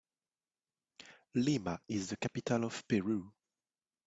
Lima is the capital of Peru.